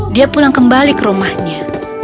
dia pulang kembali ke rumahnya